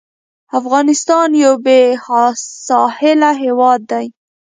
افغانستان یو بېساحله هېواد دی.